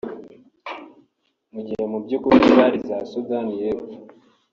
mu gihe mu by’ukuri zari iza Sudani y’Epfo